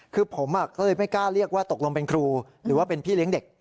คือผมก็เลยไม่กล้าเรียกว่าตกลงเป็นครูหรือว่าเป็นพี่เลี้ยงเด็ก